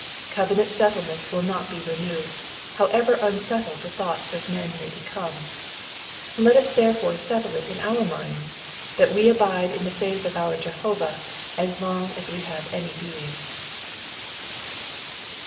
Covenant settlements will not be removed, however unsettled the thoughts of men may become ; let us therefore settle it in our minds that we abide in the faith of our Jehovah as long as we have any being.